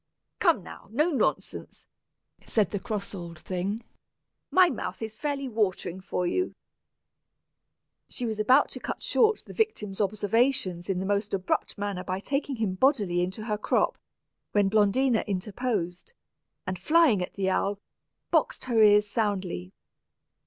"Come now, no nonsense," said the cross old thing. "My mouth is fairly watering for you." She was about to cut short the victim's observations in the most abrupt manner by taking him bodily into her crop, when Blondina interposed, and flying at the owl, boxed her ears soundly.